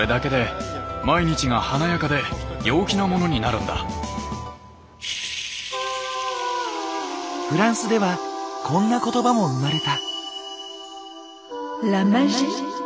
んみんなフランスではこんな言葉も生まれた。